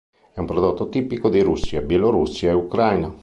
È un prodotto tipico di Russia, Bielorussia e Ucraina.